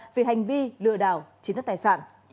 vì hành vi lừa đảo chiếm đoạt tài sản